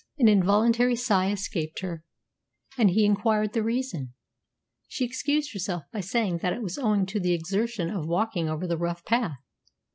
An involuntary sigh escaped her, and he inquired the reason. She excused herself by saying that it was owing to the exertion of walking over the rough path.